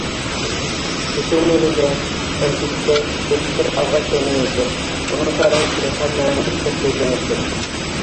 Күсеү мәлендә, әлбиттә, һөт бер аҙға кәмейәсәк, уның ҡарауы киләһе аҙнанан эштәр көйләнәсәк.